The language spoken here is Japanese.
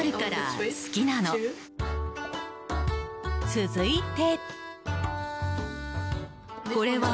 続いて。